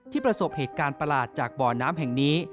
ประสบเหตุการณ์ประหลาดจากบ่อน้ำแห่งนี้